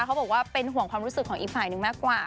เขาบอกว่าเป็นห่วงความรู้สึกของอีกฝ่ายนึงมากกว่า